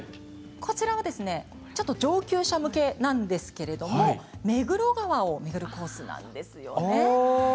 こちらは上級者向けなんですけれど目黒川を巡るコースなんですよ。